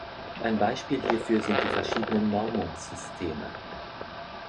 Ein Beispiel hierfür sind die verschiedenen Normungssysteme.